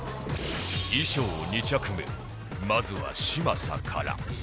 衣装２着目まずは嶋佐から